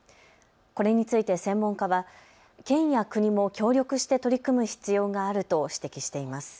これについて専門家は県や国も協力して取り組む必要があると指摘しています。